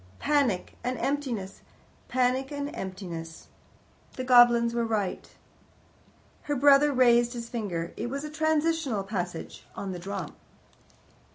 Panic and emptiness! Panic and emptiness! The goblins were right. Her brother raised his finger: it was the transitional passage on the drum.